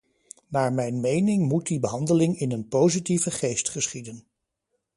Naar mijn mening moet die behandeling in een positieve geest geschieden.